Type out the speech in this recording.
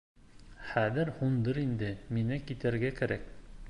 Хәҙер һуңдыр инде, миңә китергә кәрәк